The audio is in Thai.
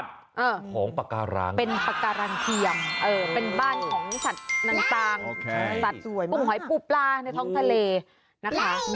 สัตว์ปุ่มหอยปูปลาในท้องทะเลนะคะ